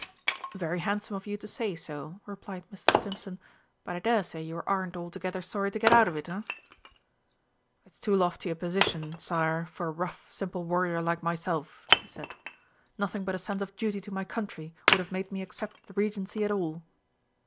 "Very handsome of you to say so," replied Mr. Stimpson; "but I daresay you aren't altogether sorry to get out of it, eh?" "It is too lofty a position, Sire, for a rough, simple warrior like myself," he said. "Nothing but a sense of duty to my country would have made me accept the Regency at all."